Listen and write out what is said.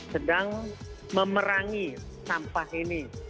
sedang memerangi sampah ini